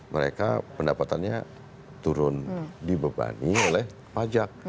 mereka pendapatannya turun dibebani oleh pajak